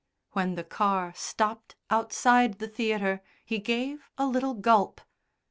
When the car stopped outside the theatre he gave a little gulp.